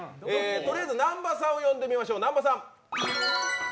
とりあえず南波さんを呼んでみましょう。